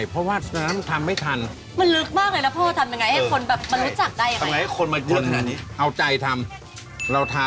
แล้วบรรดากาลิมน้ำ